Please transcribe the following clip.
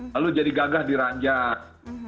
lalu jadi gagah di ranjang